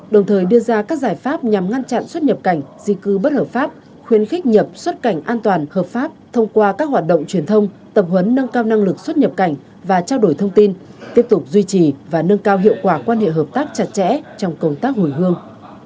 đồng thời đưa ra các giải pháp nhằm ngăn chặn xuất nhập cảnh di cư bất hợp pháp khuyến khích nhập xuất cảnh an toàn hợp pháp thông qua các hoạt động truyền thông tập huấn nâng cao năng lực xuất nhập cảnh và trao đổi thông tin tiếp tục duy trì và nâng cao hiệu quả quan hệ hợp tác chặt chẽ trong công tác hồi hương